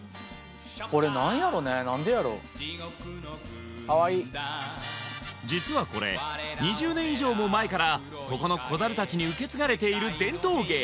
これ何やろね何でやろかわいい実はこれ２０年以上も前からここの子ザルたちに受け継がれている伝統芸